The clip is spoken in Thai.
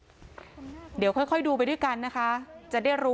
โชว์บ้านในพื้นที่เขารู้สึกยังไงกับเรื่องที่เกิดขึ้น